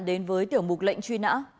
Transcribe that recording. đến với tiểu mục lệnh truy nã